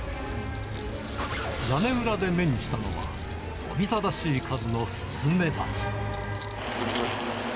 屋根裏で目にしたのは、おびただしい数のスズメバチ。